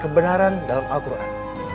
kebenaran dalam al quran